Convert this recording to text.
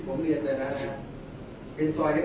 แต่ว่าไม่มีปรากฏว่าถ้าเกิดคนให้ยาที่๓๑